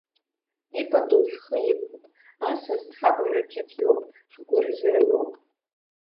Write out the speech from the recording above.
Ипату ҳхы иқәуп, асас ҳабарақьаҭ иоуп, ҳгәырӷьара иоуп!